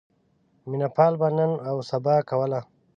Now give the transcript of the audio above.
مینه پال به نن اوسبا کوله.